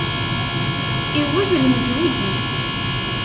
Iwwet lmeǧhud-is.